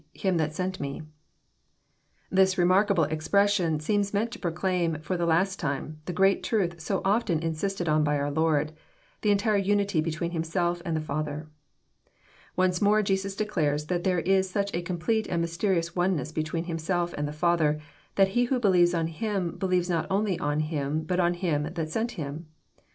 „Him that sent me."] This remarkable expression seems meant to proclaim, for the last time, the great truth so often insisted on by our Lord, — the entire unity between Himself and the Father. Once more Jesus declares that there is such a complete and mysterious oneness between Himself and the Father, that he who believes on Him believes not only on Him, but on Him that sent Him.